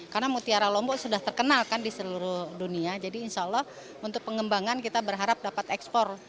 karena mutiara lombok sudah terkenalkan di seluruh dunia jadi insya allah untuk pengembangan kita berharap dapat ekspor